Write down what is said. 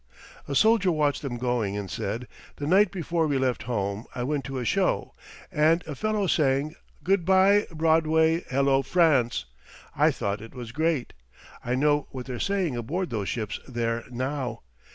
A soldier watched them going and said: "The night before we left home I went to a show, and a fellow sang: 'Good by, Broadway! Hello, France!' I thought it was great. I know what they're saying aboard those ships there now.